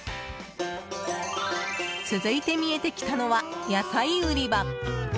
続いて見えてきたのは野菜売り場。